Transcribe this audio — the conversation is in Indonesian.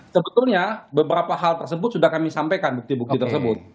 sebetulnya beberapa hal tersebut sudah kami sampaikan bukti bukti tersebut